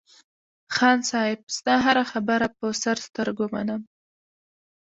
خان صاحب ستا هره خبره په سر سترگو منم.